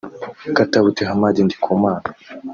Katauti Hamadi Ndikumana